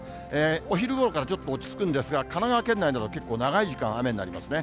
お昼ごろからちょっと落ち着くんですが、神奈川県内など、結構長い時間雨になりますね。